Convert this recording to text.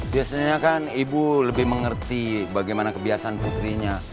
biasanya kan ibu lebih mengerti bagaimana kebiasaan putrinya